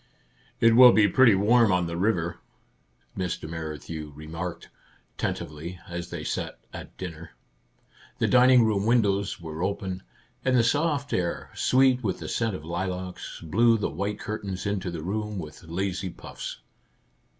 "It will be pretty warm on the river," Mr. Merrithew remarked, tentatively, as they sat at dinner. The dining room windows were open, and the soft air, sweet with the scent of lilacs, blew the white curtains into the room with lazy puffs.